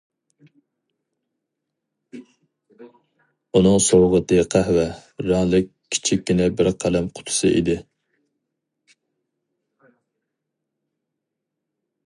ئۇنىڭ سوۋغىتى قەھۋە رەڭلىك كىچىككىنە بىر قەلەم قۇتىسى ئىدى.